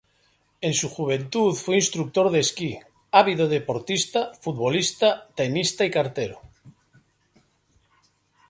En su juventud fue instructor de esquí, ávido deportista, futbolista, tenista y cartero.